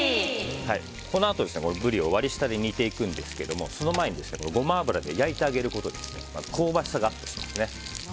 このあと、ブリを割り下で煮ていくんですけどその前にゴマ油で焼いてあげることで香ばしさがアップしますね。